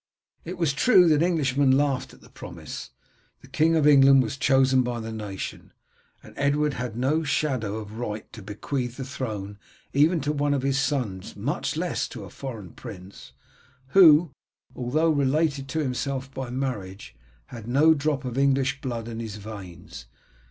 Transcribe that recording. It was true that Englishmen laughed at the promise. The King of England was chosen by the nation, and Edward had no shadow of right to bequeath the throne even to one of his sons much less to a foreign prince, who, although related to himself by marriage, had no drop of English blood in his veins.